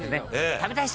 「食べたい人！」